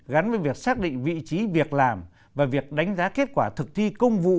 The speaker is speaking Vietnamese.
gắn với việc xác định vị trí việc làm và việc đánh giá kết quả thực thi công vụ